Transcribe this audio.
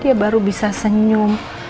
dia baru bisa senyum